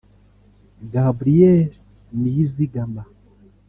Gabriel Niyizigama